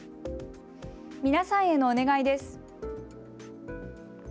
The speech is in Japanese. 皆さんへのお願いです。